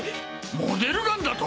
モデルガンだと！？